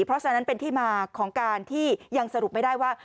เพราะฉะนั้นเป็นที่มาของการที่ยังสรุปไม่ได้ว่า